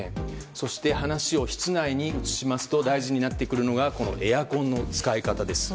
そして話を室内に移しますと大事になってくるのがエアコンの使い方です。